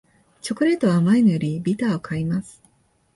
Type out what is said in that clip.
チョコレートは甘いのよりビターを買います